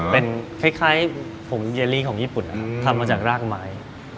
เป็นคล้ายผมเยลลี่ของญี่ปุ่นนะครับทำมาจากรากไม้